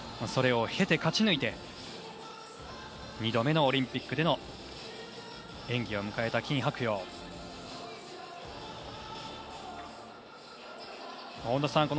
それを経て、勝ち抜いて２度目のオリンピックでの演技を迎えたキン・ハクヨウです。